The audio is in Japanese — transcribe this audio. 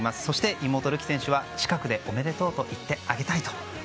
そして妹・るき選手は近くでおめでとうと言ってあげたいと。